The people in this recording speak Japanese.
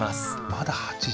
まだ８時。